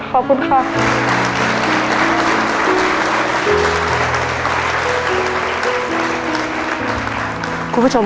ขอบคุณค่ะ